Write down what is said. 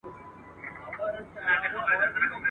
چي زړه به کله در سړیږی د اسمان وطنه !.